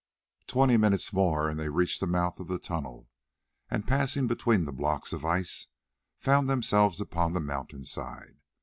Twenty minutes more and they reached the mouth of the tunnel, and passing between the blocks of ice, found themselves upon the mountain side.